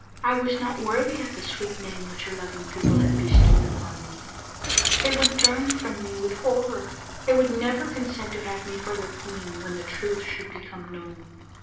I was not worthy of the sweet name which her loving people had bestowed upon me. They would turn from me with horror ; they would never consent to have me for their queen when the truth should become known.